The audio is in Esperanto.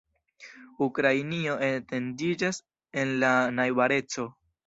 Ukrainio etendiĝas en la najbareco.